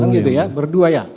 kan gitu ya berdua ya